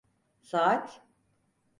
Saat?